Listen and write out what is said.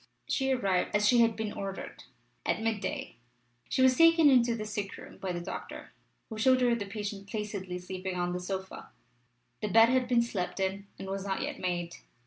She arrived as she had been ordered, at midday: she was taken into the sick room by the doctor, who showed her the patient placidly sleeping on a sofa: the bed had been slept in, and was not yet made.